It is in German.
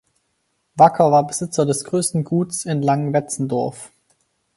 Wacker war Besitzer des größten Guts in Langenwetzendorf.